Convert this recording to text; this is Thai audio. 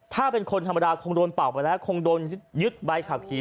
ถ้าเป็นคนธรรมดาคงโดนเป่าไปแล้วคงโดนยึดใบขับขี่